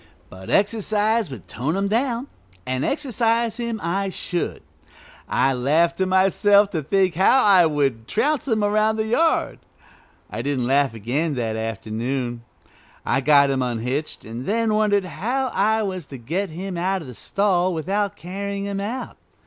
But exercise would tone him down, and exercise him I should. I laughed to myself to think how I would trounce him around the yard. I didn't laugh again that afternoon. I got him unhitched, and then wondered how I was to get him out of the stall without carrying him out.